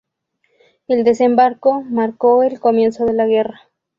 El desembarco marcó el comienzo de la guerra.